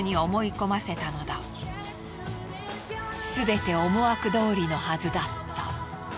すべて思惑どおりのはずだった。